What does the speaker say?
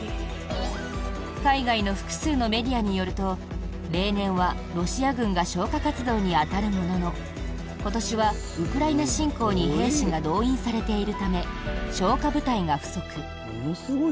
海外の複数のメディアによると例年はロシア軍が消火活動に当たるものの今年はウクライナ侵攻に兵士が動員されているため消火部隊が不足。